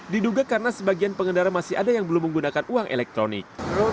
diduga karena sebagian pengendara masih ada yang belum menggunakan uang elektronik